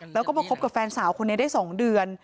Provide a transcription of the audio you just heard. แล้วก็มาคบกับแฟนสาวคนนี้ได้๒เดือน